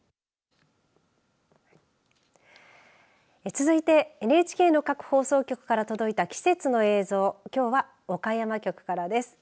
続いてＮＨＫの各放送局から届いた季節の映像きょうは岡山局からです。